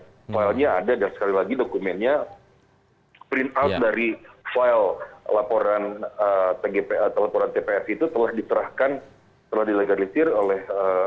filenya ada dan sekali lagi dokumennya print out dari file laporan tgp atau laporan tpr itu telah diterahkan telah dilegalisir oleh